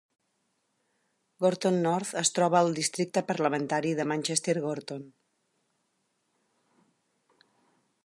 Gorton North es troba al districte parlamentari de Manchester Gorton.